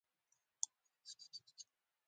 او ډیره مشهوره شوې ده.